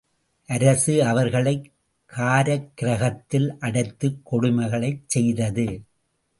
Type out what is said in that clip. அரசு அவர்களைக் காராக்கிரகத்தில் அடைத்துக் கொடுமைகளைச் செய்தது.